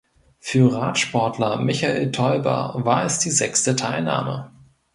Für Radsportler Michael Teuber war es die sechste Teilnahme.